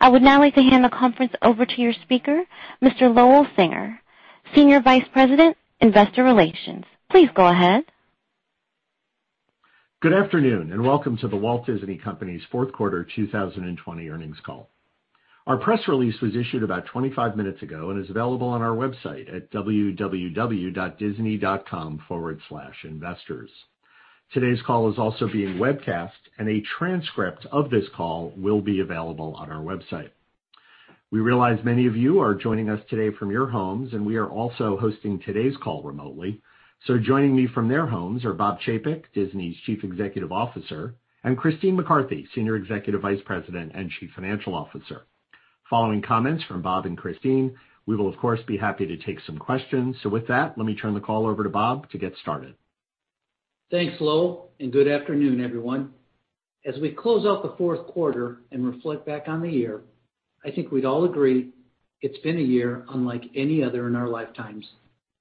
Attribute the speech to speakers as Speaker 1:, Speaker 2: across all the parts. Speaker 1: I would now like to hand the conference over to your speaker, Mr. Lowell Singer, Senior Vice President, Investor Relations. Please go ahead.
Speaker 2: Good afternoon, and welcome to The Walt Disney Company's fourth quarter 2020 earnings call. Our press release was issued about 25 minutes ago and is available on our website at www.disney.com/investors. Today's call is also being webcast, and a transcript of this call will be available on our website. We realize many of you are joining us today from your homes, and we are also hosting today's call remotely. Joining me from their homes are Bob Chapek, Disney's Chief Executive Officer, and Christine McCarthy, Senior Executive Vice President and Chief Financial Officer. Following comments from Bob and Christine, we will, of course, be happy to take some questions. With that, let me turn the call over to Bob to get started.
Speaker 3: Thanks, Lowell. Good afternoon, everyone. As we close out the fourth quarter and reflect back on the year, I think we'd all agree it's been a year unlike any other in our lifetimes,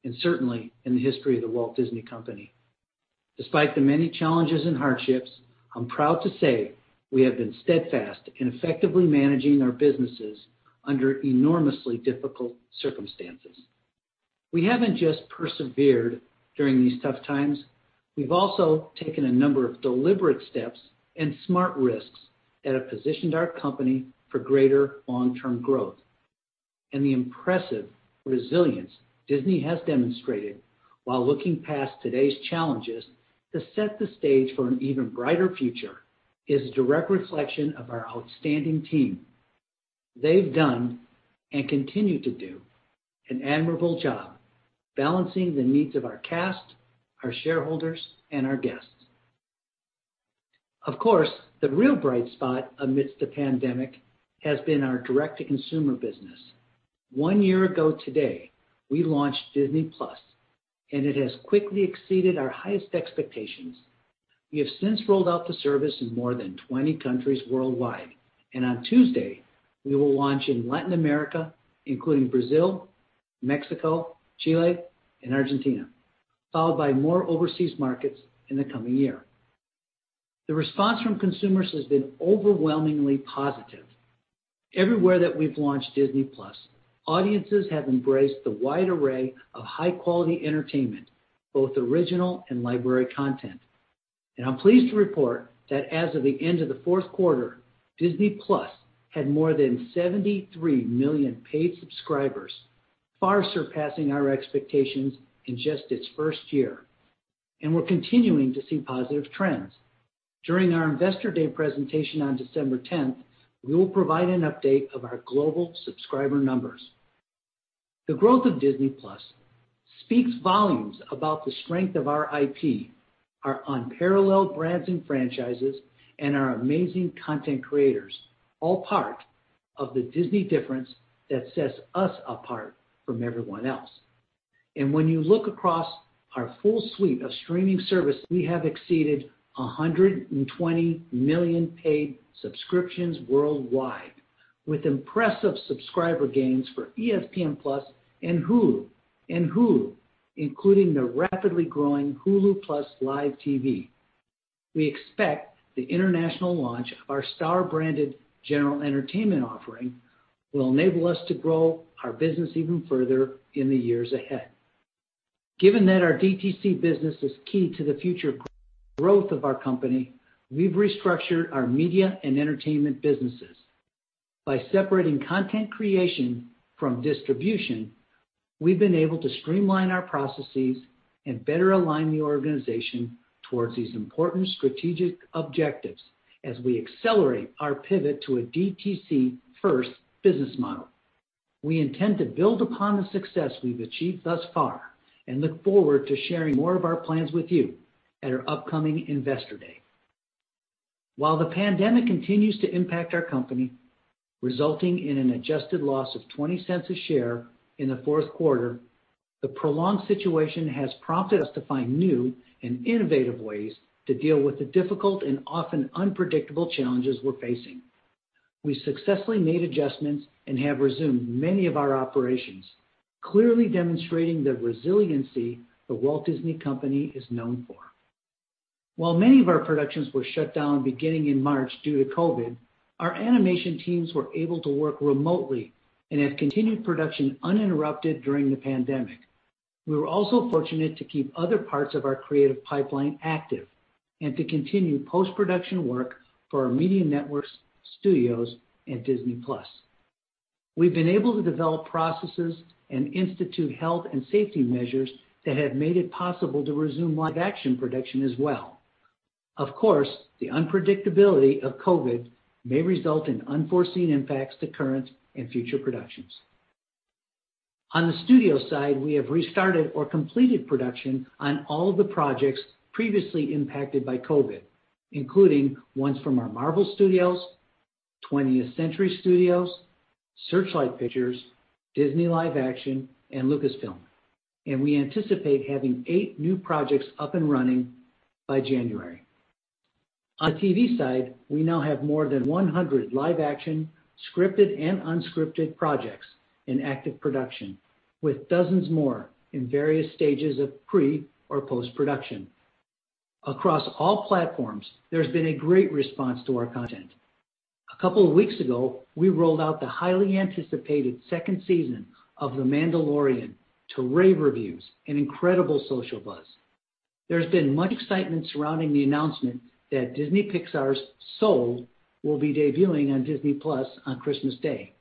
Speaker 3: and certainly in the history of The Walt Disney Company. Despite the many challenges and hardships, I'm proud to say we have been steadfast in effectively managing our businesses under enormously difficult circumstances. We haven't just persevered during these tough times. We've also taken a number of deliberate steps and smart risks that have positioned our company for greater long-term growth. The impressive resilience Disney has demonstrated while looking past today's challenges to set the stage for an even brighter future is a direct reflection of our outstanding team. They've done and continue to do an admirable job balancing the needs of our cast, our shareholders, and our guests. Of course, the real bright spot amidst the pandemic has been our direct-to-consumer business. One year ago today, we launched Disney+, it has quickly exceeded our highest expectations. We have since rolled out the service in more than 20 countries worldwide, on Tuesday, we will launch in Latin America, including Brazil, Mexico, Chile, and Argentina, followed by more overseas markets in the coming year. The response from consumers has been overwhelmingly positive. Everywhere that we've launched Disney+, audiences have embraced the wide array of high-quality entertainment, both original and library content. I'm pleased to report that as of the end of the fourth quarter, Disney+ had more than 73 million paid subscribers, far surpassing our expectations in just its first year. We're continuing to see positive trends. During our Investor Day presentation on December 10th, we will provide an update of our global subscriber numbers. The growth of Disney+ speaks volumes about the strength of our IP, our unparalleled brands and franchises, and our amazing content creators, all part of the Disney difference that sets us apart from everyone else. When you look across our full suite of streaming service, we have exceeded 120 million paid subscriptions worldwide, with impressive subscriber gains for ESPN+ and Hulu, including the rapidly growing Hulu + Live TV. We expect the international launch of our Star branded general entertainment offering will enable us to grow our business even further in the years ahead. Given that our DTC business is key to the future growth of our company, we've restructured our media and entertainment businesses. By separating content creation from distribution, we've been able to streamline our processes and better align the organization towards these important strategic objectives as we accelerate our pivot to a DTC first business model. We intend to build upon the success we've achieved thus far and look forward to sharing more of our plans with you at our upcoming Investor Day. While the pandemic continues to impact our company, resulting in an adjusted loss of $0.20 a share in the fourth quarter, the prolonged situation has prompted us to find new and innovative ways to deal with the difficult and often unpredictable challenges we're facing. We successfully made adjustments and have resumed many of our operations, clearly demonstrating the resiliency The Walt Disney Company is known for. While many of our productions were shut down beginning in March due to COVID, our animation teams were able to work remotely and have continued production uninterrupted during the pandemic. We were also fortunate to keep other parts of our creative pipeline active and to continue post-production work for our media networks, studios, and Disney+. We've been able to develop processes and institute health and safety measures that have made it possible to resume live action production as well. Of course, the unpredictability of COVID may result in unforeseen impacts to current and future productions. On the studio side, we have restarted or completed production on all of the projects previously impacted by COVID, including ones from our Marvel Studios, 20th Century Studios, Searchlight Pictures, Disney Live Action, and Lucasfilm. We anticipate having eight new projects up and running by January. On the TV side, we now have more than 100 live-action, scripted and unscripted projects in active production, with dozens more in various stages of pre or post-production. Across all platforms, there's been a great response to our content. A couple of weeks ago, we rolled out the highly anticipated second season of "The Mandalorian" to rave reviews and incredible social buzz. There's been much excitement surrounding the announcement that Disney Pixar's "Soul" will be debuting on Disney+ on Christmas Day.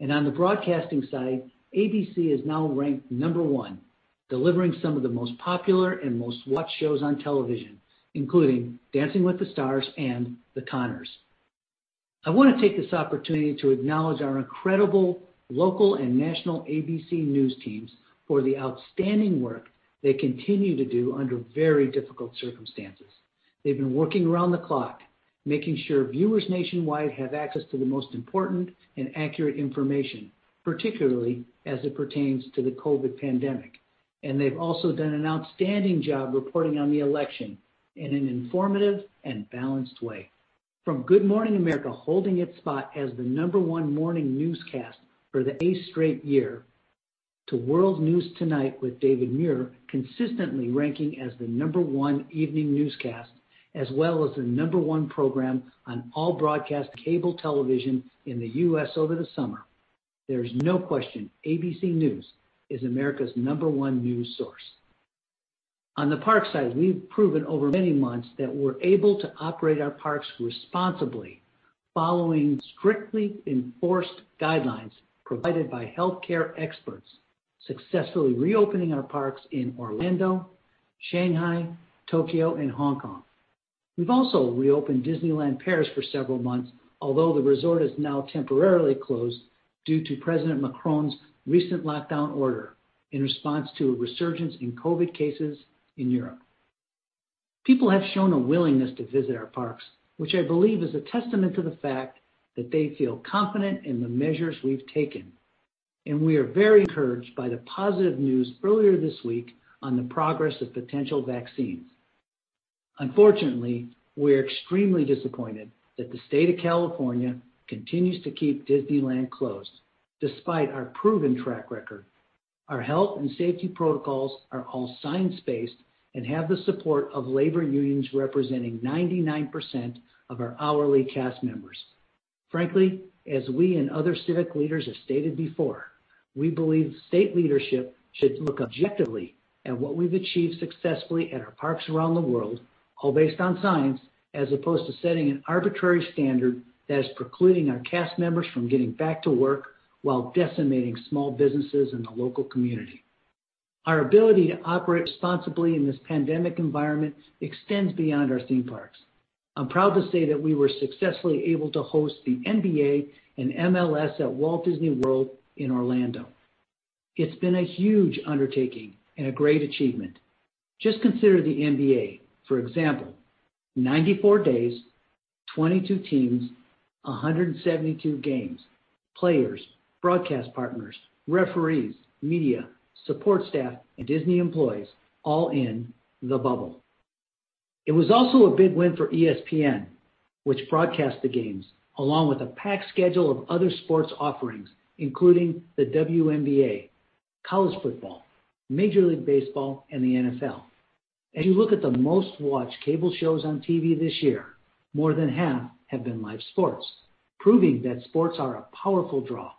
Speaker 3: On the Broadcasting side, ABC is now ranked number one, delivering some of the most popular and most-watched shows on television, including "Dancing with the Stars" and "The Conners." I want to take this opportunity to acknowledge our incredible local and national ABC News teams for the outstanding work they continue to do under very difficult circumstances. They've been working around the clock, making sure viewers nationwide have access to the most important and accurate information, particularly as it pertains to the COVID pandemic, and they've also done an outstanding job reporting on the election in an informative and balanced way. From "Good Morning America" holding its spot as the number one morning newscast for the eighth straight year, to "World News Tonight with David Muir" consistently ranking as the number one evening newscast, as well as the number one program on all broadcast cable television in the U.S. over the summer, there's no question ABC News is America's number one news source. On the parks side, we've proven over many months that we're able to operate our parks responsibly, following strictly enforced guidelines provided by healthcare experts, successfully reopening our parks in Orlando, Shanghai, Tokyo, and Hong Kong. We've also reopened Disneyland Paris for several months, although the resort is now temporarily closed due to President Macron's recent lockdown order in response to a resurgence in COVID cases in Europe. People have shown a willingness to visit our parks, which I believe is a testament to the fact that they feel confident in the measures we've taken, and we are very encouraged by the positive news earlier this week on the progress of potential vaccines. Unfortunately, we're extremely disappointed that the state of California continues to keep Disneyland closed despite our proven track record. Our health and safety protocols are all science-based and have the support of labor unions representing 99% of our hourly cast members. Frankly, as we and other civic leaders have stated before, we believe state leadership should look objectively at what we've achieved successfully at our parks around the world, all based on science, as opposed to setting an arbitrary standard that is precluding our cast members from getting back to work while decimating small businesses in the local community. Our ability to operate responsibly in this pandemic environment extends beyond our theme parks. I'm proud to say that we were successfully able to host the NBA and MLS at Walt Disney World in Orlando. It's been a huge undertaking and a great achievement. Just consider the NBA, for example. 94 days, 22 teams, 172 games. Players, broadcast partners, referees, media, support staff, and Disney employees all in the bubble. It was also a big win for ESPN, which broadcast the games along with a packed schedule of other sports offerings, including the WNBA, college football, Major League Baseball, and the NFL. As you look at the most-watched cable shows on TV this year, more than half have been live sports, proving that sports are a powerful draw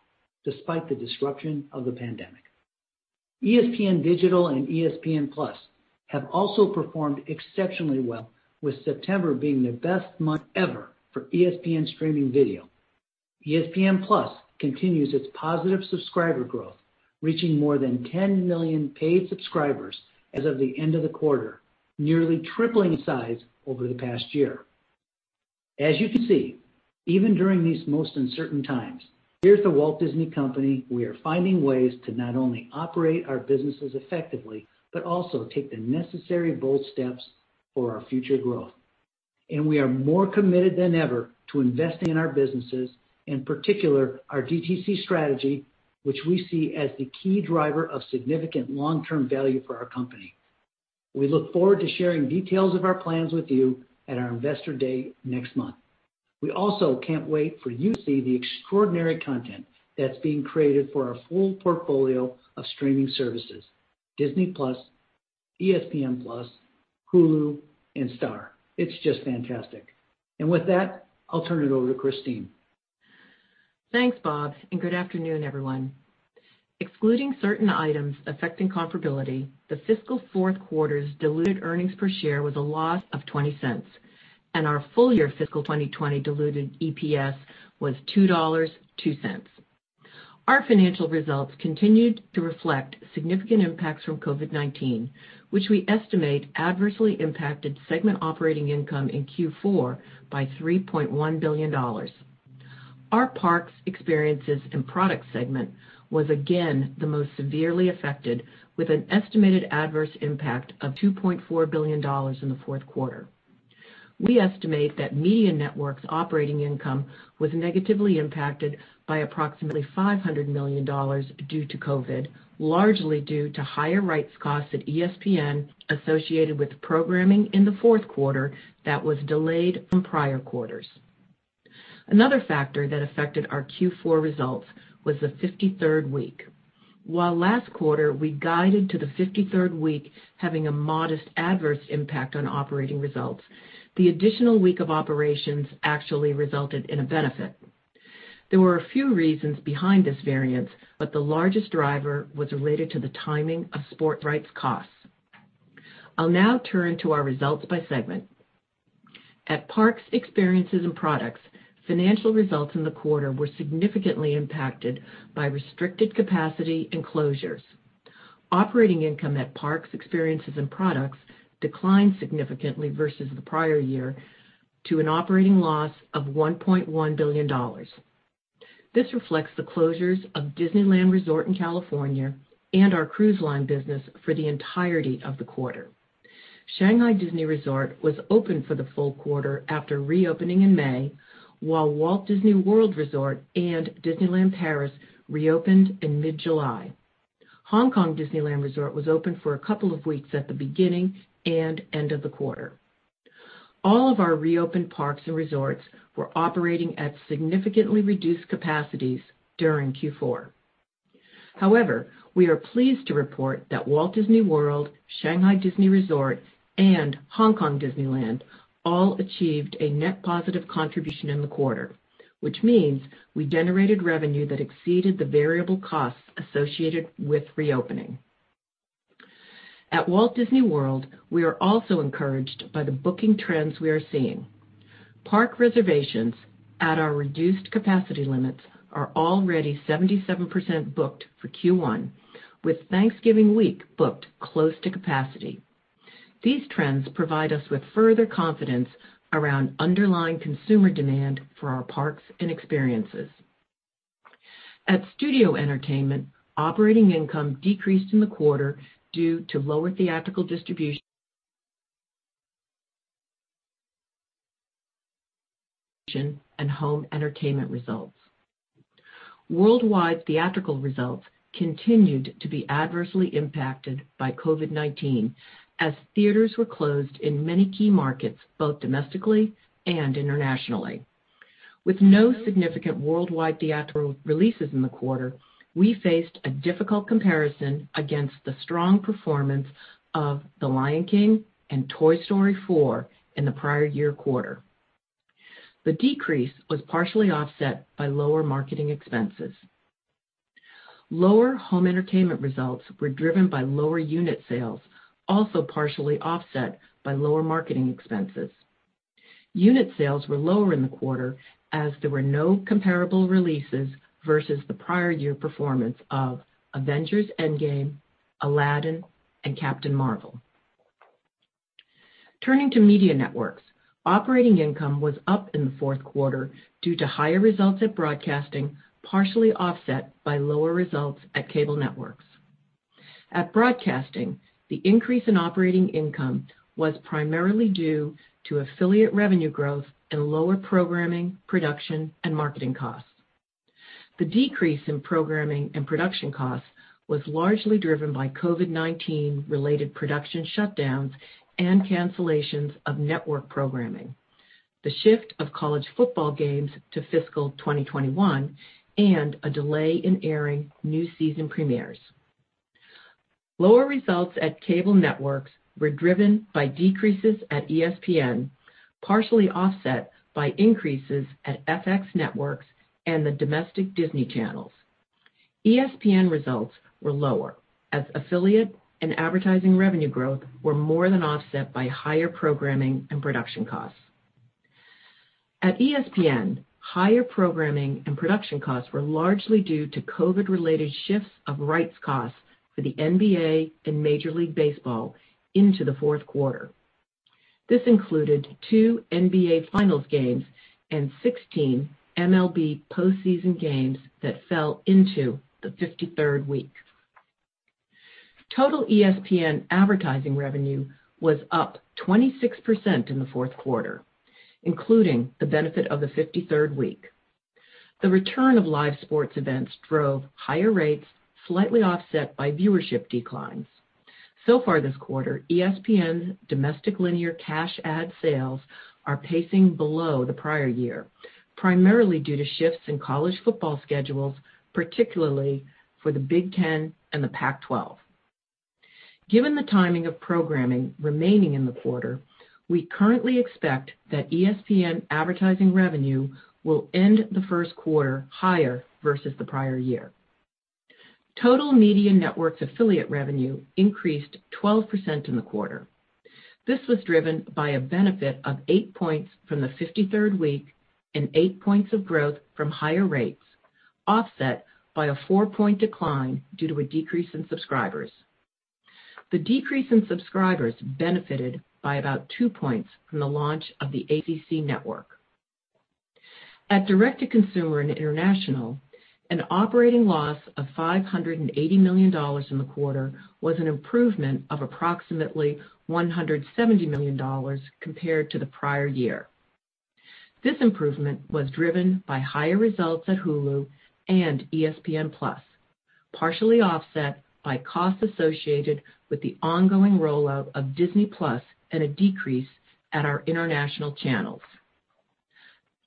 Speaker 3: despite the disruption of the pandemic. ESPN Digital and ESPN+ have also performed exceptionally well, with September being their best month ever for ESPN streaming video. ESPN+ continues its positive subscriber growth, reaching more than 10 million paid subscribers as of the end of the quarter, nearly tripling in size over the past year. As you can see, even during these most uncertain times, here at The Walt Disney Company, we are finding ways to not only operate our businesses effectively but also take the necessary bold steps for our future growth. We are more committed than ever to investing in our businesses, in particular, our DTC strategy, which we see as the key driver of significant long-term value for our company. We look forward to sharing details of our plans with you at our investor day next month. We also can't wait for you to see the extraordinary content that's being created for our full portfolio of streaming services, Disney+, ESPN+, Hulu, and Star. It's just fantastic. With that, I'll turn it over to Christine.
Speaker 4: Thanks, Bob. Good afternoon, everyone. Excluding certain items affecting comparability, the fiscal fourth quarter's diluted earnings per share was a loss of $0.20. Our full-year fiscal 2020 diluted EPS was $2.02. Our financial results continued to reflect significant impacts from COVID-19, which we estimate adversely impacted segment operating income in Q4 by $3.1 billion. Our Parks, Experiences and Products segment was again the most severely affected, with an estimated adverse impact of $2.4 billion in the fourth quarter. We estimate that Media Networks' operating income was negatively impacted by approximately $500 million due to COVID, largely due to higher rights costs at ESPN associated with programming in the fourth quarter that was delayed from prior quarters. Another factor that affected our Q4 results was the 53rd week. While last quarter we guided to the 53rd week having a modest adverse impact on operating results, the additional week of operations actually resulted in a benefit. There were a few reasons behind this variance, but the largest driver was related to the timing of sports rights costs. I'll now turn to our results by segment. At Parks, Experiences and Products, financial results in the quarter were significantly impacted by restricted capacity and closures. Operating income at Parks, Experiences and Products declined significantly versus the prior year to an operating loss of $1.1 billion. This reflects the closures of Disneyland Resort in California and our cruise line business for the entirety of the quarter. Shanghai Disney Resort was open for the full quarter after reopening in May, while Walt Disney World Resort and Disneyland Paris reopened in mid-July. Hong Kong Disneyland Resort was open for a couple of weeks at the beginning and end of the quarter. All of our reopened parks and resorts were operating at significantly reduced capacities during Q4. However, we are pleased to report that Walt Disney World, Shanghai Disney Resort, and Hong Kong Disneyland all achieved a net positive contribution in the quarter, which means we generated revenue that exceeded the variable costs associated with reopening. At Walt Disney World, we are also encouraged by the booking trends we are seeing. Park reservations at our reduced capacity limits are already 77% booked for Q1, with Thanksgiving week booked close to capacity. These trends provide us with further confidence around underlying consumer demand for our Parks and Experiences. At Studio Entertainment, operating income decreased in the quarter due to lower theatrical distribution and home entertainment results. Worldwide theatrical results continued to be adversely impacted by COVID-19 as theaters were closed in many key markets, both domestically and internationally. With no significant worldwide theatrical releases in the quarter, we faced a difficult comparison against the strong performance of "The Lion King" and "Toy Story 4" in the prior year quarter. The decrease was partially offset by lower marketing expenses. Lower home entertainment results were driven by lower unit sales, also partially offset by lower marketing expenses. Unit sales were lower in the quarter as there were no comparable releases versus the prior year performance of "Avengers: Endgame," "Aladdin," and "Captain Marvel." Turning to Media Networks, operating income was up in the fourth quarter due to higher results at Broadcasting, partially offset by lower results at Cable Networks. At Broadcasting, the increase in operating income was primarily due to affiliate revenue growth and lower programming, production, and marketing costs. The decrease in programming and production costs was largely driven by COVID-19 related production shutdowns and cancellations of network programming, the shift of college football games to fiscal 2021, and a delay in airing new season premieres. Lower results at Cable Networks were driven by decreases at ESPN, partially offset by increases at FX Networks and the domestic Disney channels. ESPN results were lower as affiliate and advertising revenue growth were more than offset by higher programming and production costs. At ESPN, higher programming and production costs were largely due to COVID-related shifts of rights costs for the NBA and Major League Baseball into the fourth quarter. This included two NBA Finals games and 16 MLB postseason games that fell into the 53rd week. Total ESPN advertising revenue was up 26% in the fourth quarter, including the benefit of the 53rd week. The return of live sports events drove higher rates, slightly offset by viewership declines. Far this quarter, ESPN's domestic linear cash ad sales are pacing below the prior year, primarily due to shifts in college football schedules, particularly for the Big Ten and the Pac-12. Given the timing of programming remaining in the quarter, we currently expect that ESPN advertising revenue will end the first quarter higher versus the prior year. Total Media Networks affiliate revenue increased 12% in the quarter. This was driven by a benefit of 8 percentage points from the 53rd week and 8 percentage points of growth from higher rates, offset by a 4-percentage-point decline due to a decrease in subscribers. The decrease in subscribers benefited by about 2 percentage points from the launch of the ACC Network. At direct-to-consumer and international, an operating loss of $580 million in the quarter was an improvement of approximately $170 million compared to the prior year. This improvement was driven by higher results at Hulu and ESPN+, partially offset by costs associated with the ongoing rollout of Disney+ and a decrease at our international channels.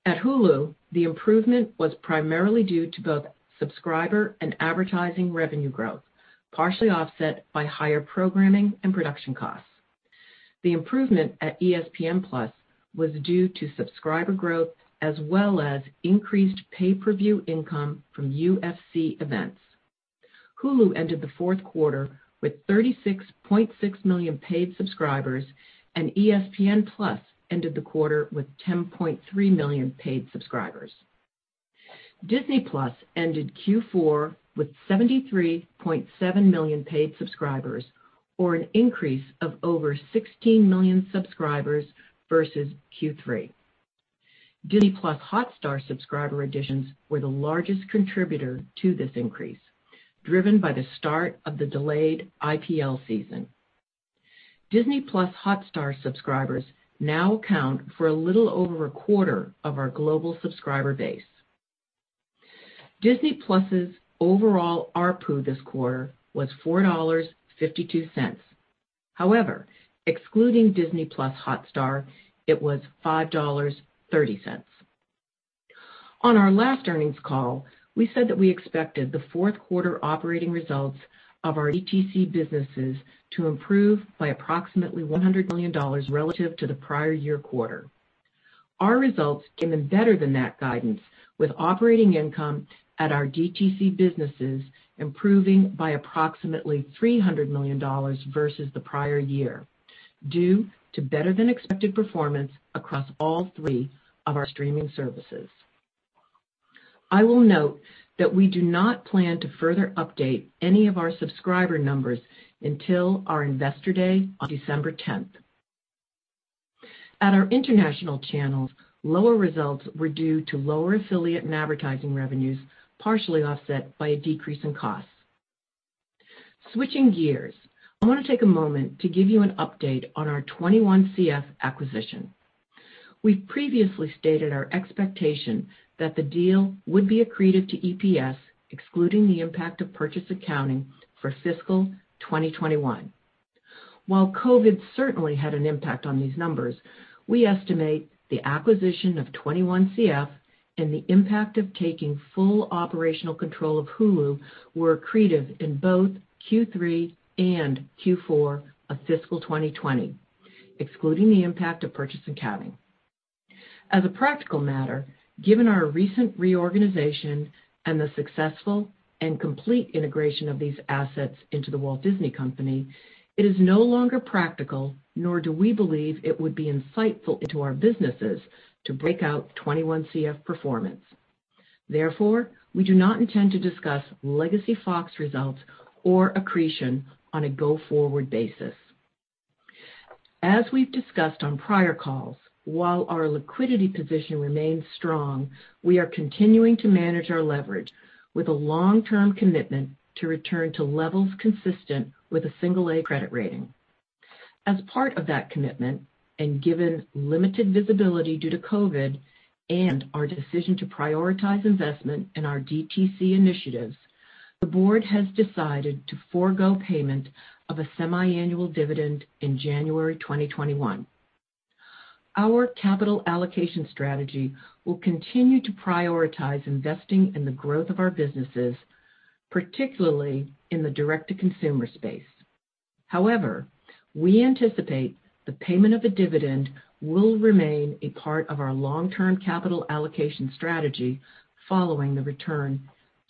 Speaker 4: At Hulu, the improvement was primarily due to both subscriber and advertising revenue growth, partially offset by higher programming and production costs. The improvement at ESPN+ was due to subscriber growth as well as increased pay-per-view income from UFC events. Hulu ended the fourth quarter with 36.6 million paid subscribers, and ESPN+ ended the quarter with 10.3 million paid subscribers. Disney+ ended Q4 with 73.7 million paid subscribers, or an increase of over 16 million subscribers versus Q3. Disney+ Hotstar subscriber additions were the largest contributor to this increase, driven by the start of the delayed IPL season. Disney+ Hotstar subscribers now account for a little over 1/4 of our global subscriber base. Disney+'s overall ARPU this quarter was $4.52. Excluding Disney+ Hotstar, it was $5.30. On our last earnings call, we said that we expected the fourth quarter operating results of our DTC businesses to improve by approximately $100 million relative to the prior year quarter. Our results came in better than that guidance, with operating income at our DTC businesses improving by approximately $300 million versus the prior year, due to better-than-expected performance across all three of our streaming services. I will note that we do not plan to further update any of our subscriber numbers until our Investor Day on December 10th. At our international channels, lower results were due to lower affiliate and advertising revenues, partially offset by a decrease in costs. Switching gears, I want to take a moment to give you an update on our 21CF acquisition. We've previously stated our expectation that the deal would be accretive to EPS, excluding the impact of purchase accounting for fiscal 2021. While COVID certainly had an impact on these numbers, we estimate the acquisition of 21CF and the impact of taking full operational control of Hulu were accretive in both Q3 and Q4 of fiscal 2020, excluding the impact of purchase accounting. As a practical matter, given our recent reorganization and the successful and complete integration of these assets into The Walt Disney Company, it is no longer practical, nor do we believe it would be insightful into our businesses, to break out 21CF performance. Therefore, we do not intend to discuss legacy Fox results or accretion on a go-forward basis. As we've discussed on prior calls, while our liquidity position remains strong, we are continuing to manage our leverage with a long-term commitment to return to levels consistent with a A credit rating. As part of that commitment, and given limited visibility due to COVID and our decision to prioritize investment in our DTC initiatives, the board has decided to forgo payment of a semiannual dividend in January 2021. Our capital allocation strategy will continue to prioritize investing in the growth of our businesses, particularly in the direct-to-consumer space. However, we anticipate the payment of a dividend will remain a part of our long-term capital allocation strategy following the return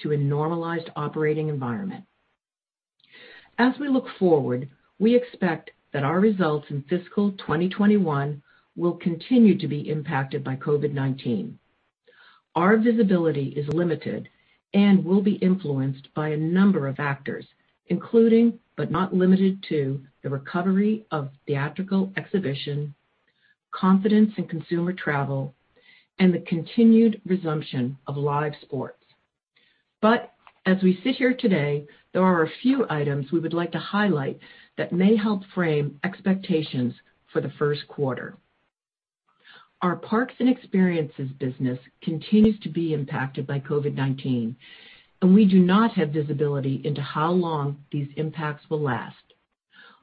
Speaker 4: to a normalized operating environment. As we look forward, we expect that our results in fiscal 2021 will continue to be impacted by COVID-19. Our visibility is limited and will be influenced by a number of factors, including, but not limited to, the recovery of theatrical exhibition, confidence in consumer travel, and the continued resumption of live sports. As we sit here today, there are a few items we would like to highlight that may help frame expectations for the first quarter. Our parks and experiences business continues to be impacted by COVID-19, and we do not have visibility into how long these impacts will last.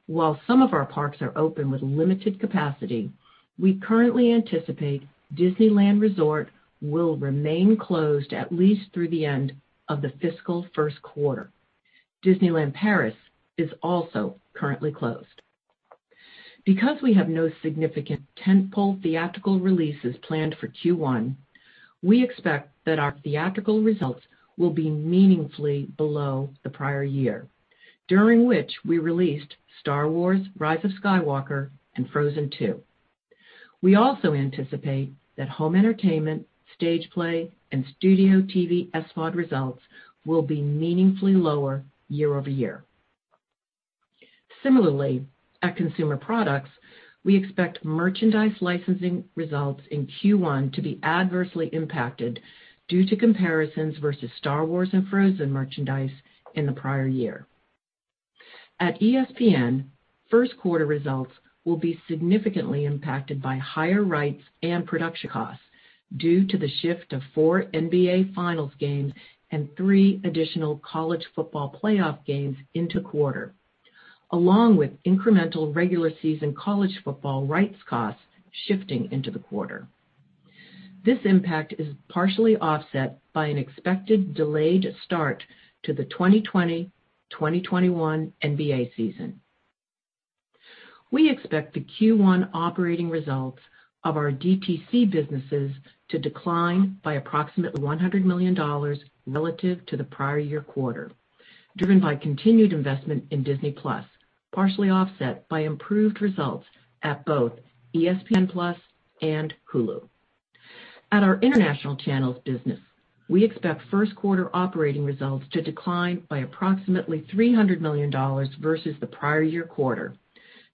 Speaker 4: While some of our parks are open with limited capacity, we currently anticipate Disneyland Resort will remain closed at least through the end of the fiscal first quarter. Disneyland Paris is also currently closed. Because we have no significant tent-pole theatrical releases planned for Q1, we expect that our theatrical results will be meaningfully below the prior year, during which we released Star Wars: The Rise of Skywalker and Frozen II. We also anticipate that Home Entertainment, Stage Play, and Studio TV SVOD results will be meaningfully lower year-over-year. Similarly, at Consumer Products, we expect merchandise licensing results in Q1 to be adversely impacted due to comparisons versus Star Wars and Frozen merchandise in the prior year. At ESPN, first quarter results will be significantly impacted by higher rights and production costs due to the shift of four NBA Finals games and three additional college football playoff games into quarter, along with incremental regular season college football rights costs shifting into the quarter. This impact is partially offset by an expected delayed start to the 2020-2021 NBA season. We expect the Q1 operating results of our DTC businesses to decline by approximately $100 million relative to the prior year quarter, driven by continued investment in Disney+, partially offset by improved results at both ESPN+ and Hulu. At our international channels business, we expect first quarter operating results to decline by approximately $300 million versus the prior year quarter,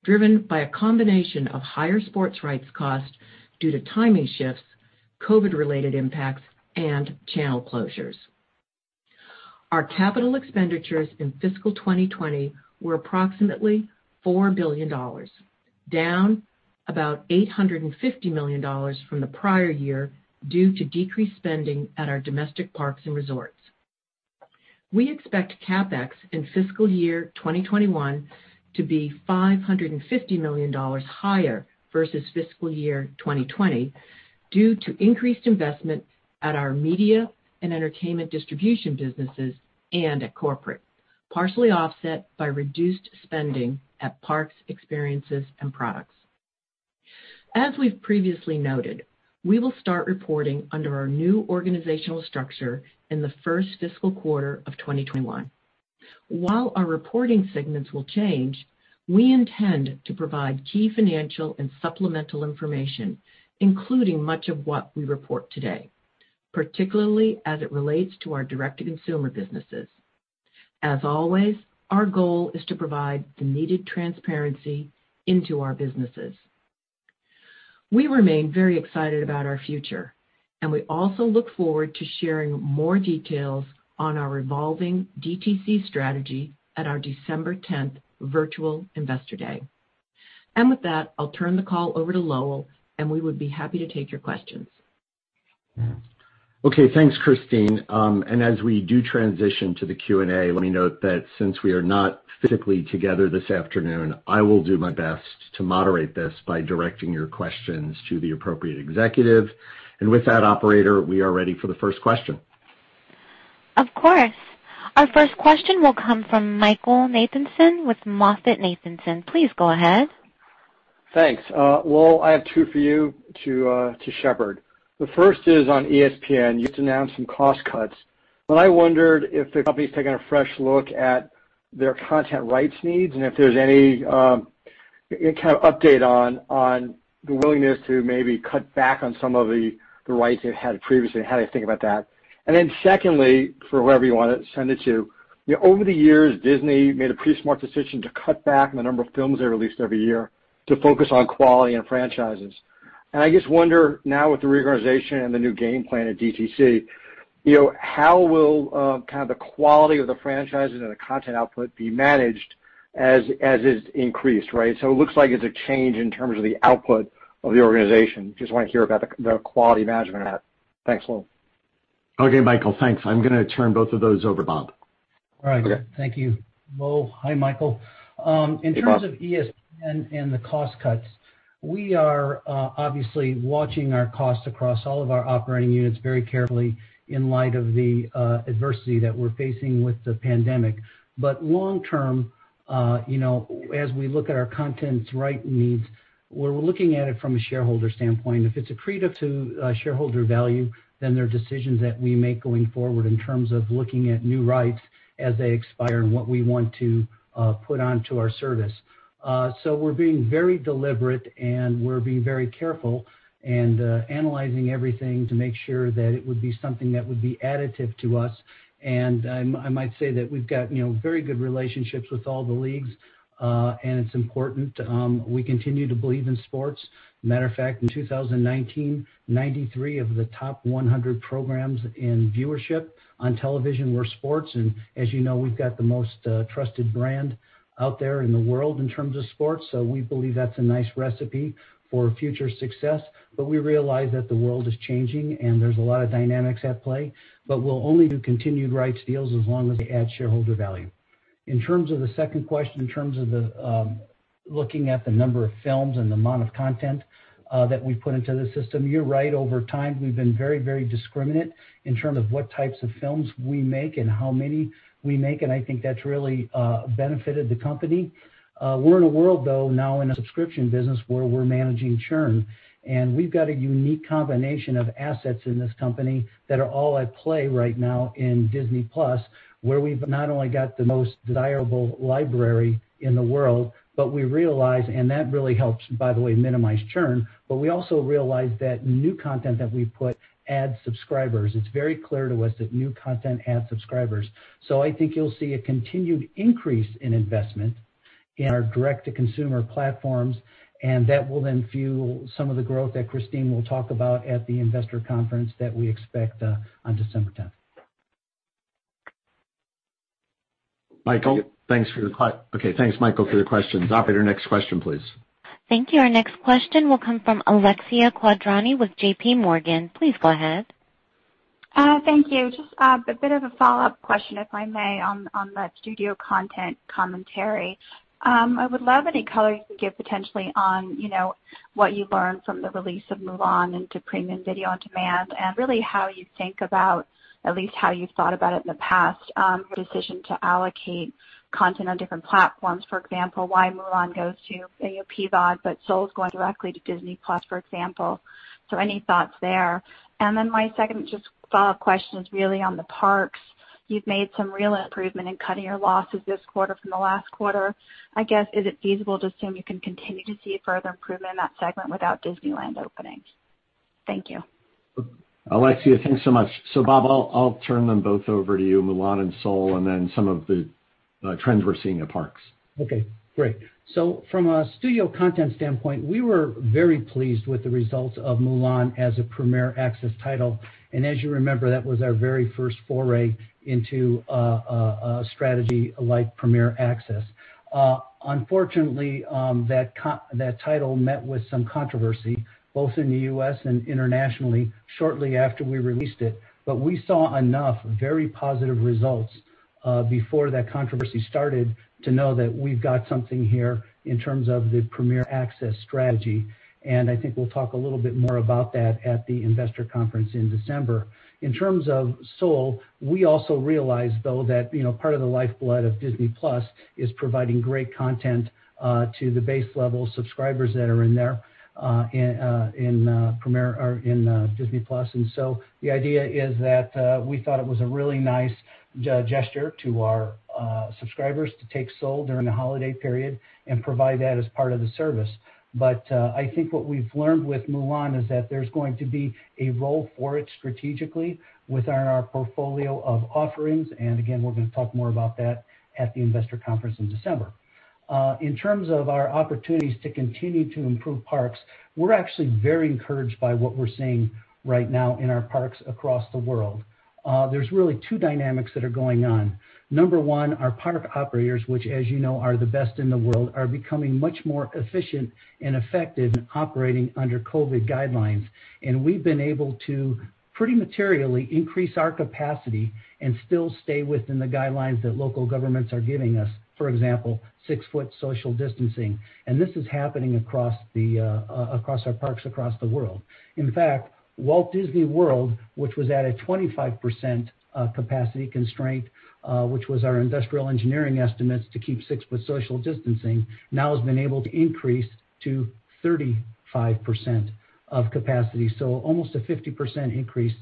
Speaker 4: driven by a combination of higher sports rights cost due to timing shifts, COVID-related impacts, and channel closures. Our capital expenditures in fiscal 2020 were approximately $4 billion, down about $850 million from the prior year due to decreased spending at our domestic parks and resorts. We expect CapEx in fiscal year 2021 to be $550 million higher versus fiscal year 2020 due to increased investment at our media and entertainment distribution businesses and at corporate, partially offset by reduced spending at parks, experiences, and products. As we've previously noted, we will start reporting under our new organizational structure in the first fiscal quarter of 2021. While our reporting segments will change, we intend to provide key financial and supplemental information, including much of what we report today, particularly as it relates to our direct-to-consumer businesses. As always, our goal is to provide the needed transparency into our businesses. We remain very excited about our future, and we also look forward to sharing more details on our evolving DTC strategy at our December 10th virtual investor day. With that, I'll turn the call over to Lowell, and we would be happy to take your questions.
Speaker 2: Okay. Thanks, Christine. As we do transition to the Q&A, let me note that since we are not physically together this afternoon, I will do my best to moderate this by directing your questions to the appropriate executive. With that, operator, we are ready for the first question.
Speaker 1: Of course. Our first question will come from Michael Nathanson with MoffettNathanson. Please go ahead.
Speaker 5: Thanks. Lowell, I have two for you to shepherd. The first is on ESPN. You just announced some cost cuts, I wondered if the company's taking a fresh look at their content rights needs and if there's any kind of update on the willingness to maybe cut back on some of the rights they've had previously and how they think about that. Secondly, for whoever you want to send it to, over the years, Disney made a pretty smart decision to cut back on the number of films they released every year to focus on quality and franchises. I just wonder now with the reorganization and the new game plan at DTC, how will the quality of the franchises and the content output be managed as is increased, right? It looks like it's a change in terms of the output of the organization. Just want to hear about the quality management of that. Thanks, Lowell.
Speaker 2: Okay, Michael, thanks. I'm going to turn both of those over to Bob.
Speaker 3: All right.
Speaker 5: Okay.
Speaker 3: Thank you, Lowell. Hi, Michael. In terms of ESPN and the cost cuts, we are obviously watching our costs across all of our operating units very carefully in light of the adversity that we're facing with the pandemic. Long-term, as we look at our content rights needs, we're looking at it from a shareholder standpoint. If it's accretive to shareholder value, then there are decisions that we make going forward in terms of looking at new rights as they expire and what we want to put onto our service. We're being very deliberate and we're being very careful and analyzing everything to make sure that it would be something that would be additive to us, and I might say that we've got very good relationships with all the leagues, and it's important. We continue to believe in sports. Matter of fact, in 2019, 93 of the top 100 programs in viewership on television were sports. As you know, we've got the most trusted brand out there in the world in terms of sports. We believe that's a nice recipe for future success. We realize that the world is changing and there's a lot of dynamics at play, but we'll only do continued rights deals as long as they add shareholder value. In terms of the second question, in terms of looking at the number of films and the amount of content that we put into the system, you're right. Over time, we've been very, very discriminate in terms of what types of films we make and how many we make, and I think that's really benefited the company. We're in a world, though, now in a subscription business where we're managing churn, and we've got a unique combination of assets in this company that are all at play right now in Disney+, where we've not only got the most desirable library in the world, but we realize, and that really helps, by the way, minimize churn, but we also realize that new content that we put adds subscribers. It's very clear to us that new content adds subscribers. I think you'll see a continued increase in investment in our direct-to-consumer platforms, and that will then fuel some of the growth that Christine will talk about at the investor conference that we expect on December 10th.
Speaker 2: Michael, okay, thanks Michael for your questions. Operator, next question, please.
Speaker 1: Thank you. Our next question will come from Alexia Quadrani with JPMorgan. Please go ahead.
Speaker 6: Thank you. Just a bit of a follow-up question, if I may, on the studio content commentary. I would love any color you can give potentially on what you learned from the release of Mulan into premium video on demand, and really how you think about, at least how you've thought about it in the past, the decision to allocate content on different platforms. For example, why Mulan goes to PVOD, but Soul is going directly to Disney+, for example. Any thoughts there? My second just follow-up question is really on the parks. You've made some real improvement in cutting your losses this quarter from the last quarter. I guess, is it feasible to assume you can continue to see further improvement in that segment without Disneyland opening? Thank you.
Speaker 2: Alexia, thanks so much. Bob, I'll turn them both over to you, Mulan and Soul, and then some of the trends we're seeing at parks.
Speaker 3: Okay, great. From a studio content standpoint, we were very pleased with the results of Mulan as a Premier Access title. As you remember, that was our very first foray into a strategy like Premier Access. Unfortunately, that title met with some controversy, both in the U.S. and internationally, shortly after we released it. We saw enough very positive results before that controversy started to know that we've got something here in terms of the Premier Access strategy, and I think we'll talk a little bit more about that at the investor conference in December. In terms of Soul, we also realize, though, that part of the lifeblood of Disney+ is providing great content to the base level subscribers that are in there, in Disney+. The idea is that we thought it was a really nice gesture to our subscribers to take Soul during the holiday period and provide that as part of the service. I think what we've learned with Mulan is that there's going to be a role for it strategically within our portfolio of offerings. Again, we're going to talk more about that at the investor conference in December. In terms of our opportunities to continue to improve parks, we're actually very encouraged by what we're seeing right now in our parks across the world. There's really two dynamics that are going on. Number one, our Park operators, which as you know, are the best in the world, are becoming much more efficient and effective in operating under COVID guidelines. We've been able to pretty materially increase our capacity and still stay within the guidelines that local governments are giving us. For example, six-foot social distancing. This is happening across our parks across the world. In fact, Walt Disney World, which was at a 25% capacity constraint, which was our industrial engineering estimates to keep six-foot social distancing, now has been able to increase to 35% of capacity. Almost a 50% increase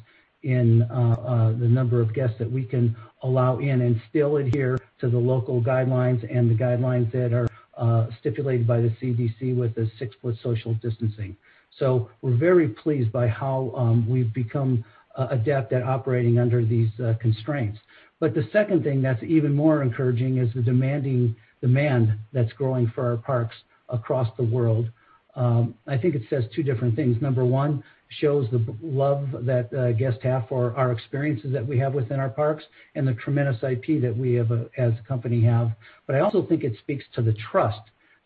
Speaker 3: in the number of guests that we can allow in and still adhere to the local guidelines and the guidelines that are stipulated by the CDC with the six-foot social distancing. We're very pleased by how we've become adept at operating under these constraints. The second thing that's even more encouraging is the demand that's growing for our parks across the world. I think it says two different things. Number one, shows the love that guests have for our experiences that we have within our parks and the tremendous IP that we as a company have. I also think it speaks to the trust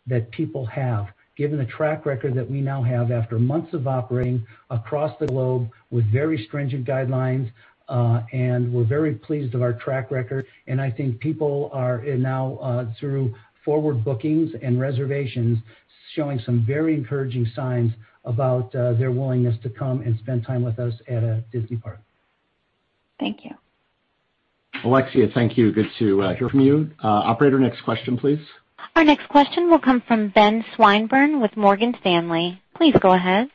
Speaker 3: that people have, given the track record that we now have after months of operating across the globe with very stringent guidelines, and we're very pleased with our track record. I think people are now, through forward bookings and reservations, showing some very encouraging signs about their willingness to come and spend time with us at a Disney park.
Speaker 6: Thank you.
Speaker 2: Alexia, thank you. Good to hear from you. Operator, next question, please.
Speaker 1: Our next question will come from Ben Swinburne with Morgan Stanley. Please go ahead.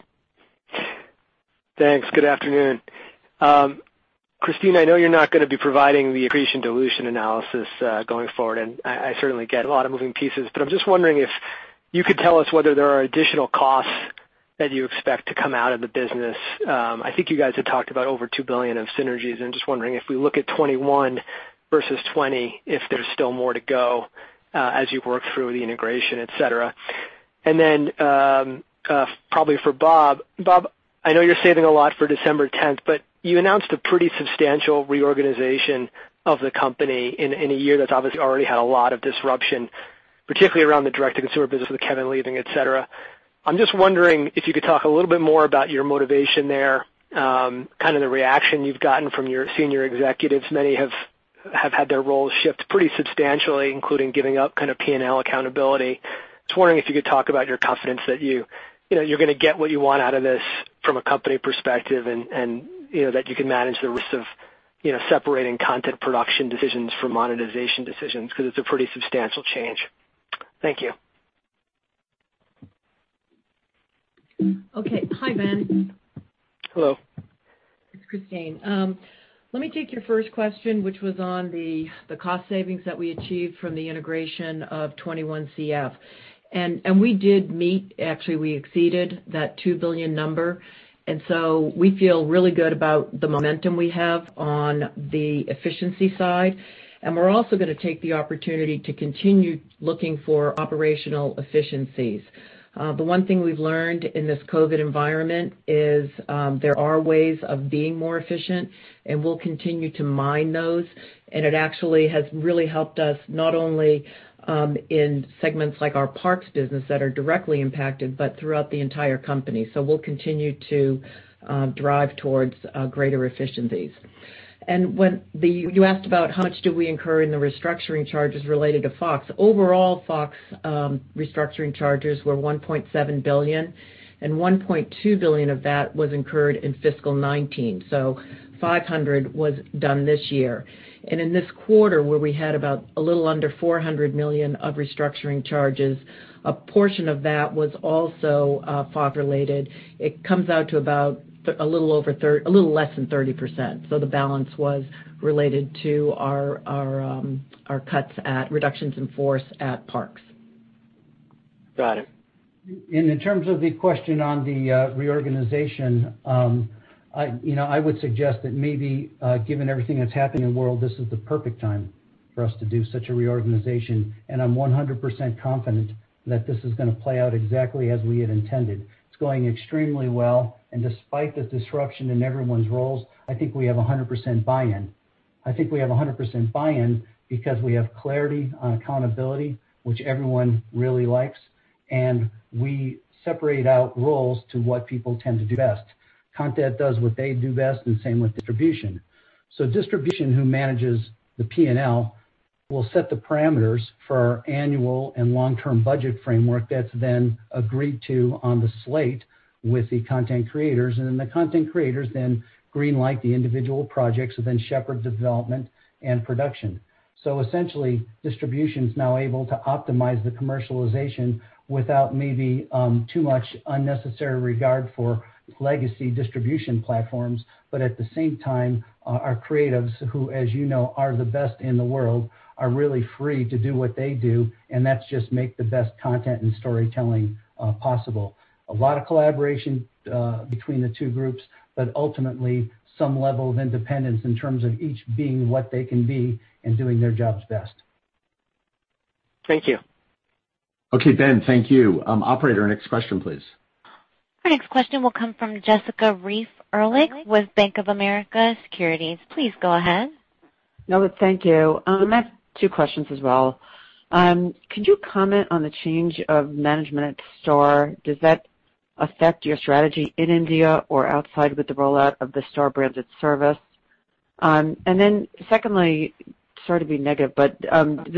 Speaker 7: Thanks. Good afternoon. Christine, I know you're not going to be providing the accretion dilution analysis going forward, and I certainly get a lot of moving pieces, but I'm just wondering if you could tell us whether there are additional costs that you expect to come out of the business. I think you guys had talked about over $2 billion of synergies, just wondering if we look at 2021 versus 2020, if there's still more to go as you work through the integration, et cetera. Probably for Bob. Bob, I know you're saving a lot for December 10th, but you announced a pretty substantial reorganization of the company in a year that's obviously already had a lot of disruption, particularly around the direct-to-consumer business with Kevin leaving, et cetera. I'm just wondering if you could talk a little bit more about your motivation there, the reaction you've gotten from your senior executives. Many have had their roles shift pretty substantially, including giving up P&L accountability. Just wondering if you could talk about your confidence that you're going to get what you want out of this from a company perspective and that you can manage the risks of separating content production decisions from monetization decisions, because it's a pretty substantial change. Thank you.
Speaker 4: Okay. Hi, Ben.
Speaker 7: Hello.
Speaker 4: It's Christine. Let me take your first question, which was on the cost savings that we achieved from the integration of 21CF. We did meet, actually, we exceeded that $2 billion number, so we feel really good about the momentum we have on the efficiency side, and we're also going to take the opportunity to continue looking for operational efficiencies. The one thing we've learned in this COVID-19 environment is there are ways of being more efficient, and we'll continue to mine those. It actually has really helped us, not only in segments like our parks business that are directly impacted, but throughout the entire company. We'll continue to drive towards greater efficiencies. You asked about how much do we incur in the restructuring charges related to Fox. Overall, Fox restructuring charges were $1.7 billion, and $1.2 billion of that was incurred in fiscal 2019. $500 was done this year. In this quarter, where we had about a little under $400 million of restructuring charges, a portion of that was also Fox-related. It comes out to about a little less than 30%. The balance was related to our cuts at reductions in force at parks.
Speaker 7: Got it.
Speaker 3: In terms of the question on the reorganization, I would suggest that maybe, given everything that's happened in the world, this is the perfect time for us to do such a reorganization. I'm 100% confident that this is going to play out exactly as we had intended. It's going extremely well, and despite the disruption in everyone's roles, I think we have 100% buy-in. I think we have 100% buy-in because we have clarity on accountability, which everyone really likes, and we separate out roles to what people tend to do best. Content does what they do best and same with distribution. Distribution, who manages the P&L, will set the parameters for our annual and long-term budget framework that's then agreed to on the slate with the content creators. The content creators then green light the individual projects within shepherd development and production. Essentially, distribution's now able to optimize the commercialization without maybe too much unnecessary regard for legacy distribution platforms. At the same time, our creatives, who, as you know, are the best in the world, are really free to do what they do, and that's just make the best content and storytelling possible. A lot of collaboration between the two groups, but ultimately some level of independence in terms of each being what they can be and doing their jobs best.
Speaker 7: Thank you.
Speaker 2: Okay, Ben. Thank you. Operator, next question, please.
Speaker 1: Our next question will come from Jessica Reif Ehrlich with Bank of America Securities. Please go ahead.
Speaker 8: No, thank you. I have two questions as well. Could you comment on the change of management at Star? Does that affect your strategy in India or outside with the rollout of the Star branded service? Secondly, sorry to be negative, did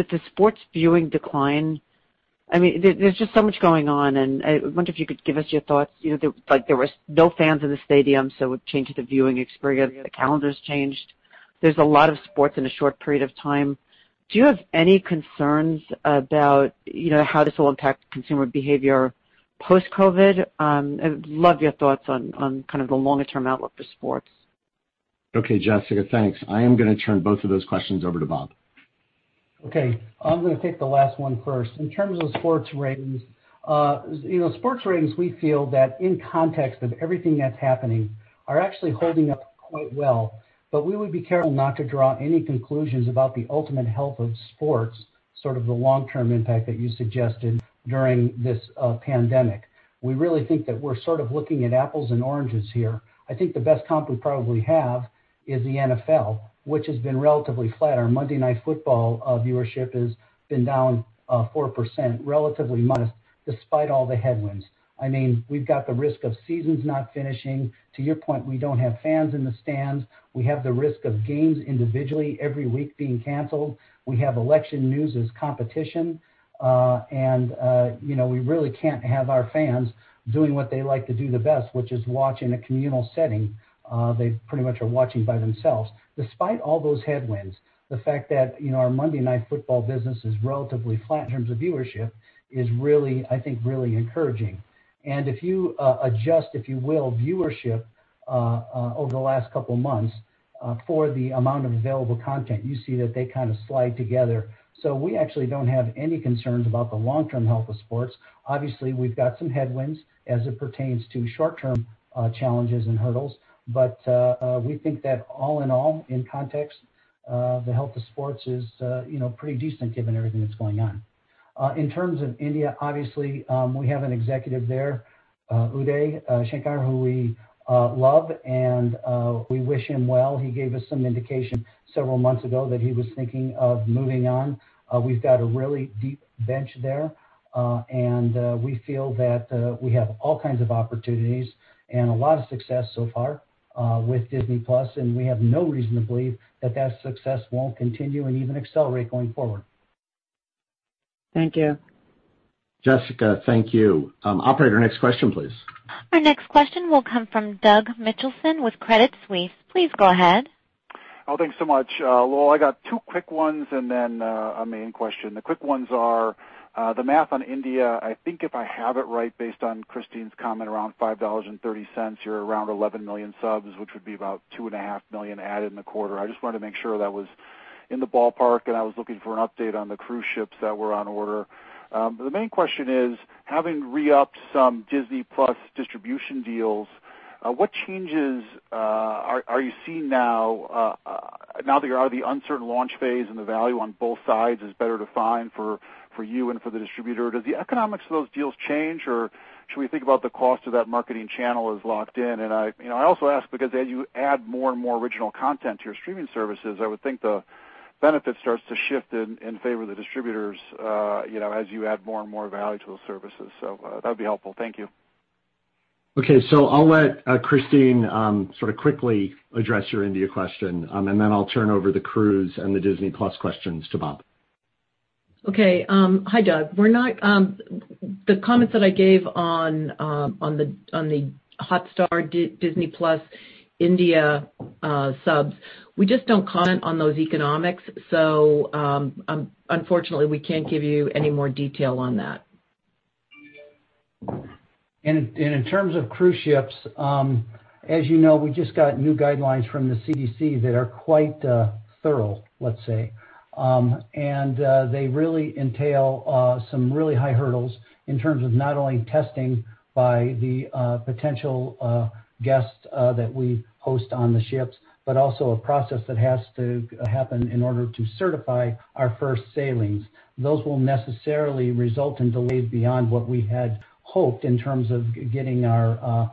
Speaker 8: the sports viewing decline? There's just so much going on. I wonder if you could give us your thoughts. There was no fans in the stadium. It changed the viewing experience. The calendars changed. There's a lot of sports in a short period of time. Do you have any concerns about how this will impact consumer behavior post-COVID? I'd love your thoughts on the longer-term outlook for sports.
Speaker 2: Okay, Jessica, thanks. I am going to turn both of those questions over to Bob.
Speaker 3: Okay. I'm going to take the last one first. In terms of sports ratings, sports ratings we feel that in context of everything that's happening are actually holding up quite well. We would be careful not to draw any conclusions about the ultimate health of sports, sort of the long-term impact that you suggested during this pandemic. We really think that we're sort of looking at apples and oranges here. I think the best comp we probably have is the NFL, which has been relatively flat. Our Monday Night Football viewership has been down 4%, relatively modest despite all the headwinds. We've got the risk of seasons not finishing. To your point, we don't have fans in the stands. We have the risk of games individually every week being canceled. We have election news as competition. We really can't have our fans doing what they like to do the best, which is watch in a communal setting. They pretty much are watching by themselves. Despite all those headwinds, the fact that our Monday Night Football business is relatively flat in terms of viewership is really, I think, really encouraging. If you adjust, if you will, viewership over the last couple of months for the amount of available content, you see that they slide together. We actually don't have any concerns about the long-term health of sports. Obviously, we've got some headwinds as it pertains to short-term challenges and hurdles. We think that all in all, in context, the health of sports is pretty decent given everything that's going on. In terms of India, obviously, we have an executive there, Uday Shankar, who we love and we wish him well. He gave us some indication several months ago that he was thinking of moving on. We've got a really deep bench there. We feel that we have all kinds of opportunities and a lot of success so far with Disney+, and we have no reason to believe that success won't continue and even accelerate going forward.
Speaker 8: Thank you.
Speaker 2: Jessica, thank you. Operator, next question, please.
Speaker 1: Our next question will come from Doug Mitchelson with Credit Suisse. Please go ahead.
Speaker 9: Thanks so much. Well, I got two quick ones and then a main question. The quick ones are the math on India. I think if I have it right based on Christine's comment, around $5.30, you're around 11 million subs, which would be about 2.5 million added in the quarter. I just wanted to make sure that was in the ballpark, and I was looking for an update on the cruise ships that were on order. The main question is: Having re-upped some Disney+ distribution deals, what changes are you seeing now that you're out of the uncertain launch phase and the value on both sides is better defined for you and for the distributor? Do the economics of those deals change, or should we think about the cost of that marketing channel as locked in? I also ask because as you add more and more original content to your streaming services, I would think the benefit starts to shift in favor of the distributors as you add more and more value to those services. That would be helpful. Thank you.
Speaker 2: Okay. I'll let Christine sort of quickly address your India question, and then I'll turn over the cruise and the Disney+ questions to Bob.
Speaker 4: Okay. Hi, Doug. The comments that I gave on the Hotstar Disney+ India subs, we just don't comment on those economics. Unfortunately, we can't give you any more detail on that.
Speaker 3: In terms of cruise ships, as you know, we just got new guidelines from the CDC that are quite thorough, let's say. They really entail some really high hurdles in terms of not only testing by the potential guests that we host on the ships, but also a process that has to happen in order to certify our first sailings. Those will necessarily result in delays beyond what we had hoped in terms of getting our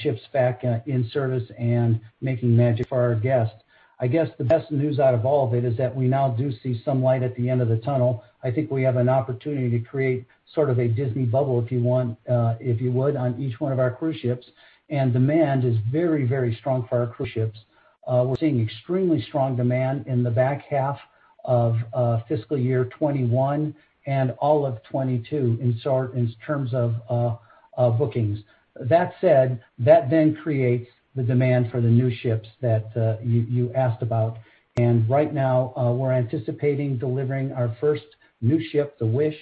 Speaker 3: ships back in service and making magic for our guests. I guess the best news out of all of it is that we now do see some light at the end of the tunnel. I think we have an opportunity to create sort of a Disney bubble, if you would, on each one of our cruise ships, and demand is very strong for our cruise ships. We're seeing extremely strong demand in the back half of fiscal year 2021 and all of 2022 in terms of bookings. That said, that then creates the demand for the new ships that you asked about. Right now, we're anticipating delivering our first new ship, the Wish,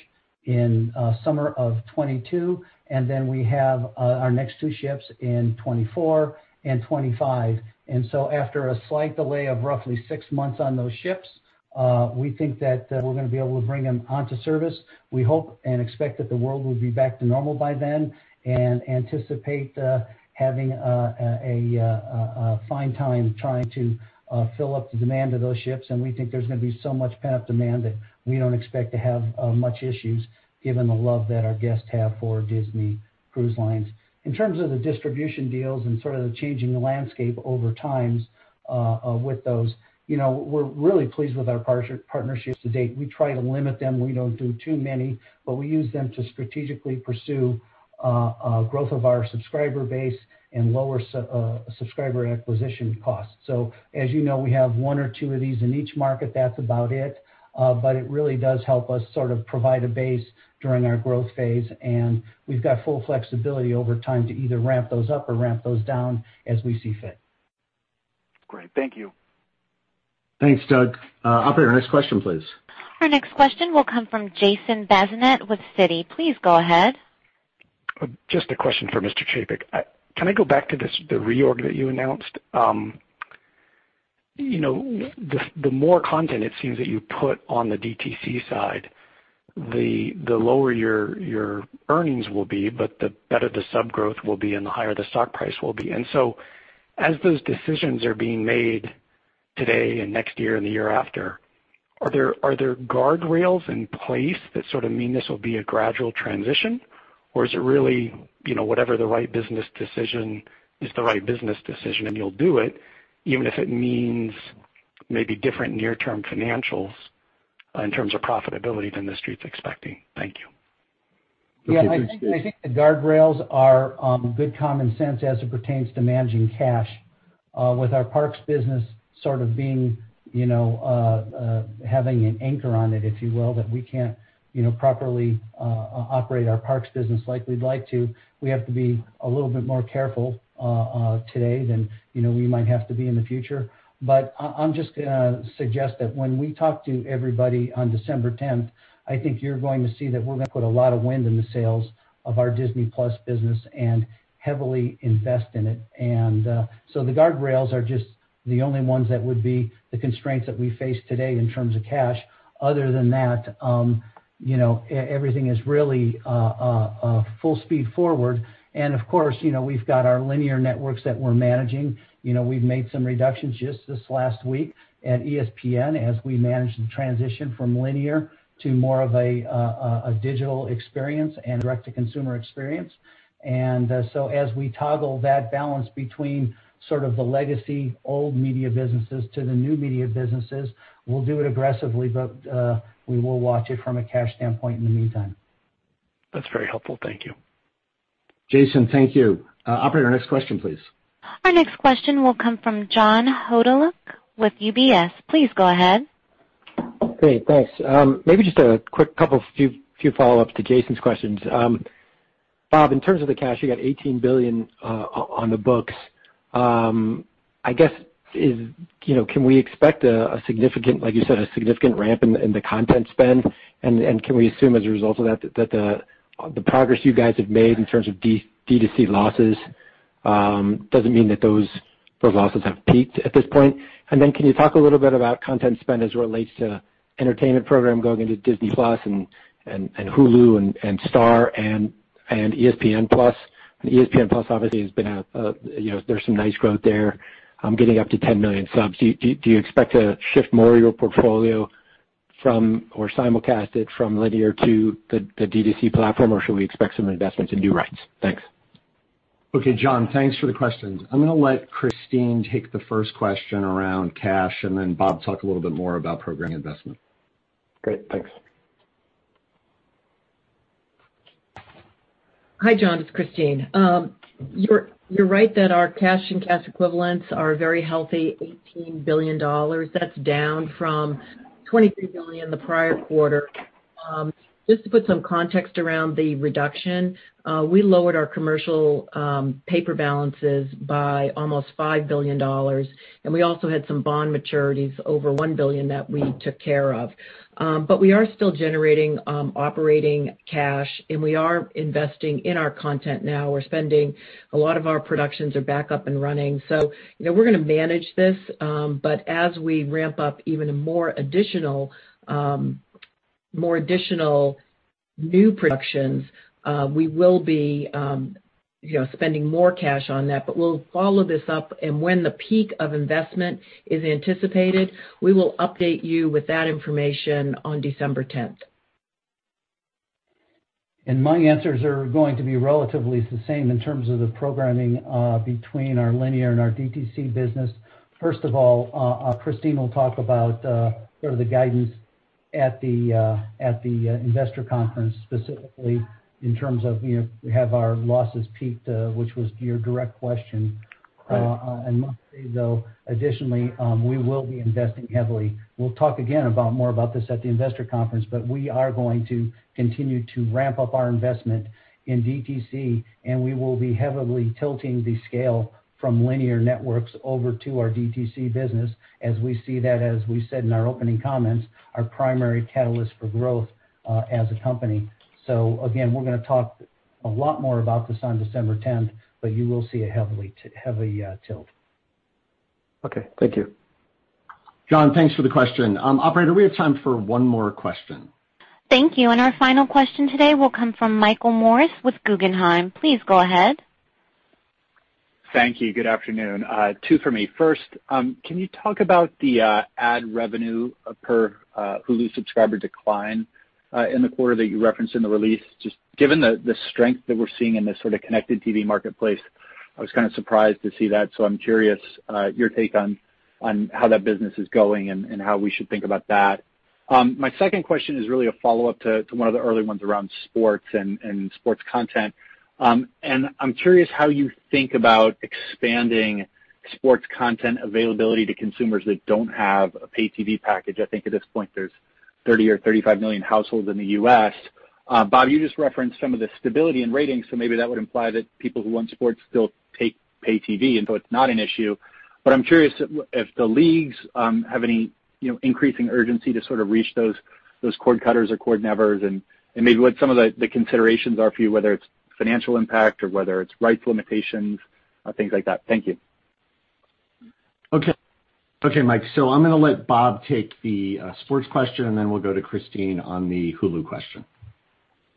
Speaker 3: in summer of 2022, and then we have our next two ships in 2024 and 2025. After a slight delay of roughly six months on those ships, we think that we're going to be able to bring them onto service. We hope and expect that the world will be back to normal by then and anticipate having a fine time trying to fill up the demand of those ships. We think there's going to be so much pent-up demand that we don't expect to have much issues given the love that our guests have for Disney Cruise Line. In terms of the distribution deals and sort of the changing landscape over time with those, we're really pleased with our partnerships to date. We try to limit them. We don't do too many, but we use them to strategically pursue growth of our subscriber base and lower subscriber acquisition costs. As you know, we have one or two of these in each market. That's about it. It really does help us sort of provide a base during our growth phase, and we've got full flexibility over time to either ramp those up or ramp those down as we see fit.
Speaker 9: Great. Thank you.
Speaker 2: Thanks, Doug. Operator, next question, please.
Speaker 1: Our next question will come from Jason Bazinet with Citi. Please go ahead.
Speaker 10: Just a question for Mr. Chapek. Can I go back to the reorg that you announced? The more content it seems that you put on the DTC side, the lower your earnings will be, but the better the sub growth will be and the higher the stock price will be. As those decisions are being made today and next year and the year after, are there guardrails in place that sort of mean this will be a gradual transition? Or is it really whatever the right business decision is the right business decision and you'll do it, even if it means maybe different near-term financials in terms of profitability than the Street's expecting? Thank you.
Speaker 3: Yeah, I think the guardrails are good common sense as it pertains to managing cash with our parks business sort of having an anchor on it, if you will, that we can't properly operate our parks business like we'd like to. We have to be a little bit more careful today than we might have to be in the future. I'm just going to suggest that when we talk to everybody on December 10th, I think you're going to see that we're going to put a lot of wind in the sails of our Disney+ business and heavily invest in it. The guardrails are just the only ones that would be the constraints that we face today in terms of cash. Other than that, everything is really full speed forward. Of course, we've got our linear networks that we're managing. We've made some reductions just this last week at ESPN as we manage the transition from linear to more of a digital experience and direct-to-consumer experience. As we toggle that balance between sort of the legacy old media businesses to the new media businesses, we'll do it aggressively, but we will watch it from a cash standpoint in the meantime.
Speaker 10: That's very helpful. Thank you.
Speaker 2: Jason, thank you. Operator, next question, please.
Speaker 1: Our next question will come from John Hodulik with UBS. Please go ahead.
Speaker 11: Great. Thanks. Maybe just a quick couple few follow-ups to Jason's questions. Bob, in terms of the cash, you got $18 billion on the books. I guess, can we expect, like you said, a significant ramp in the content spend? Can we assume as a result of that the progress you guys have made in terms of DTC losses doesn't mean that those losses have peaked at this point? Can you talk a little bit about content spend as it relates to entertainment program going into Disney+ and Hulu and Star and ESPN+? ESPN+ obviously there's some nice growth there, getting up to 10 million subs. Do you expect to shift more of your portfolio or simulcast it from linear to the DTC platform, should we expect some investments in new rights? Thanks.
Speaker 2: Okay, John, thanks for the questions. I'm going to let Christine take the first question around cash and then Bob talk a little bit more about program investment.
Speaker 11: Great. Thanks.
Speaker 4: Hi, John, it's Christine. You're right that our cash and cash equivalents are a very healthy $18 billion. That's down from $23 billion the prior quarter. To put some context around the reduction, we lowered our commercial paper balances by almost $5 billion. We also had some bond maturities, over $1 billion that we took care of. We are still generating operating cash, and we are investing in our content now. We're spending. A lot of our productions are back up and running. We're going to manage this. As we ramp up even more additional new productions, we will be spending more cash on that. We'll follow this up, and when the peak of investment is anticipated, we will update you with that information on December 10th.
Speaker 3: My answers are going to be relatively the same in terms of the programming between our linear and our DTC business. First of all, Christine will talk about sort of the guidance at the investor conference, specifically in terms of we have our losses peaked, which was your direct question. Let's say, though, additionally, we will be investing heavily. We'll talk again more about this at the investor conference, but we are going to continue to ramp up our investment in DTC, and we will be heavily tilting the scale from linear networks over to our DTC business as we see that, as we said in our opening comments, our primary catalyst for growth as a company. Again, we're going to talk a lot more about this on December 10th, but you will see a heavy tilt.
Speaker 11: Okay. Thank you.
Speaker 2: John, thanks for the question. Operator, we have time for one more question.
Speaker 1: Thank you. Our final question today will come from Michael Morris with Guggenheim. Please go ahead.
Speaker 12: Thank you. Good afternoon. Two for me. First, can you talk about the ad revenue per Hulu subscriber decline in the quarter that you referenced in the release? Just given the strength that we're seeing in the sort of connected TV marketplace, I was kind of surprised to see that, so I'm curious your take on how that business is going and how we should think about that. My second question is really a follow-up to one of the early ones around sports and sports content. I'm curious how you think about expanding sports content availability to consumers that don't have a pay TV package. I think at this point, there's 30 or 35 million households in the U.S. Bob, you just referenced some of the stability in ratings, so maybe that would imply that people who want sports still take pay TV and so it's not an issue. I'm curious if the leagues have any increasing urgency to sort of reach those cord cutters or cord nevers, and maybe what some of the considerations are for you, whether it's financial impact or whether it's rights limitations, things like that. Thank you.
Speaker 2: Okay, Mike. I'm going to let Bob take the sports question, and then we'll go to Christine on the Hulu question.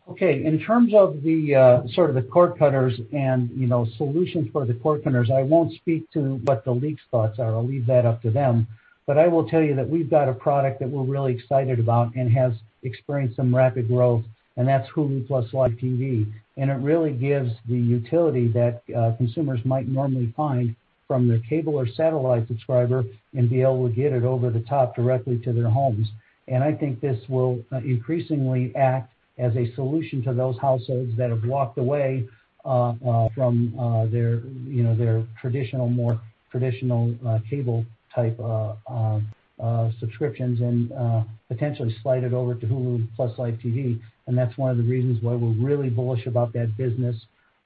Speaker 3: Okay. In terms of the sort of the cord cutters and solutions for the cord cutters, I won't speak to what the league's thoughts are. I'll leave that up to them. I will tell you that we've got a product that we're really excited about and has experienced some rapid growth, and that's Hulu + Live TV. It really gives the utility that consumers might normally find from their cable or satellite subscriber and be able to get it over-the-top directly to their homes. I think this will increasingly act as a solution to those households that have walked away from their more traditional cable-type subscriptions and potentially slide it over to Hulu + Live TV, and that's one of the reasons why we're really bullish about that business.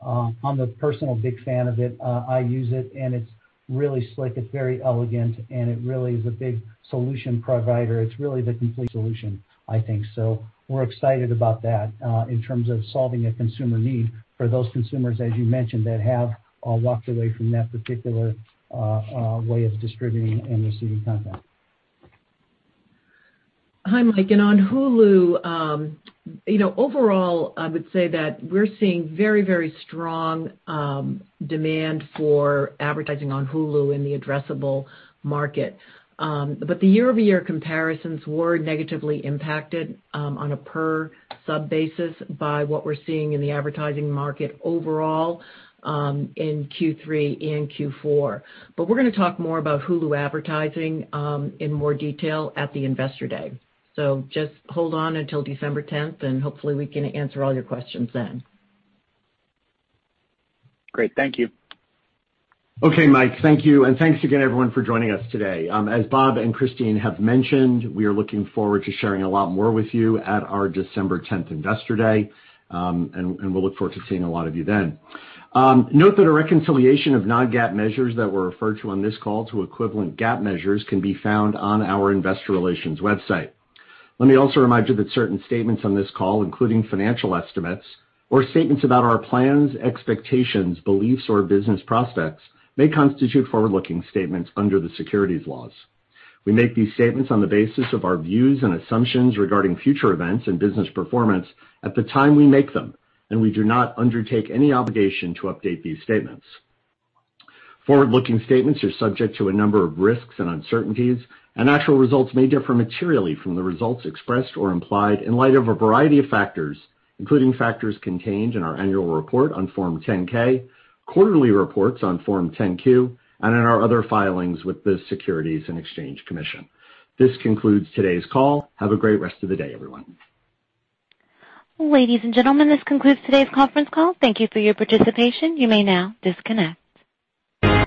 Speaker 3: I'm a personal big fan of it. I use it, and it's really slick. It's very elegant, and it really is a big solution provider. It's really the complete solution, I think. We're excited about that in terms of solving a consumer need for those consumers, as you mentioned, that have walked away from that particular way of distributing and receiving content.
Speaker 4: Hi, Mike. On Hulu, overall, I would say that we're seeing very strong demand for advertising on Hulu in the addressable market. The year-over-year comparisons were negatively impacted on a per sub basis by what we're seeing in the advertising market overall in Q3 and Q4. We're going to talk more about Hulu advertising in more detail at the Investor Day. Just hold on until December 10th, and hopefully, we can answer all your questions then.
Speaker 12: Great. Thank you.
Speaker 2: Okay, Mike. Thank you. Thanks again, everyone, for joining us today. As Bob and Christine have mentioned, we are looking forward to sharing a lot more with you at our December 10th Investor Day, and we'll look forward to seeing a lot of you then. Note that a reconciliation of non-GAAP measures that were referred to on this call to equivalent GAAP measures can be found on our investor relations website. Let me also remind you that certain statements on this call, including financial estimates or statements about our plans, expectations, beliefs, or business prospects, may constitute forward-looking statements under the securities laws. We make these statements on the basis of our views and assumptions regarding future events and business performance at the time we make them, and we do not undertake any obligation to update these statements. Forward-looking statements are subject to a number of risks and uncertainties. Actual results may differ materially from the results expressed or implied in light of a variety of factors, including factors contained in our annual report on Form 10-K, quarterly reports on Form 10-Q, and in our other filings with the Securities and Exchange Commission. This concludes today's call. Have a great rest of the day, everyone.
Speaker 1: Ladies and gentlemen, this concludes today's conference call. Thank you for your participation. You may now disconnect.